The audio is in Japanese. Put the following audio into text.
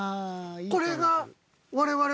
これが。